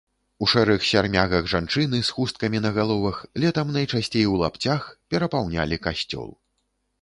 У шэрых сярмягах жанчыны, з хусткамі на галовах, летам найчасцей у лапцях, перапаўнялі касцёл.